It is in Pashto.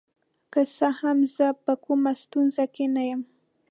که څه هم زه په کومه ستونزه کې نه یم.